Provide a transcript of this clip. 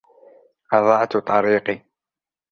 أضعت طريقي.